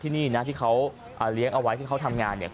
ที่เขาเลี้ยงเอาไว้ที่เขาทำงาน